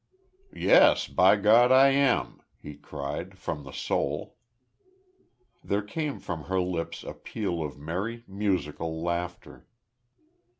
"Yes, by God! I am!" he cried, from the soul. There came from her lips a peal of merry, musical laughter.